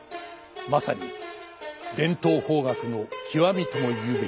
まさに伝統邦楽の極みともいうべき作品。